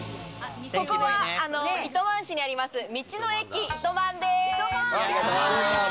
ここは糸満市にあります、道の駅いとまんです。